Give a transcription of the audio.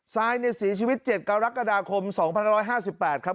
ซายเสียชีวิต๗กรกฎาคม๒๕๕๘ครับ